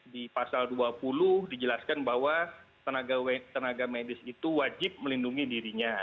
di pasal dua puluh dijelaskan bahwa tenaga medis itu wajib melindungi dirinya